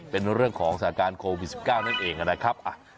เป็นเรื่องของสถานการณ์โควิดสิบเก้านั่นเองน่ะครับอ่ะ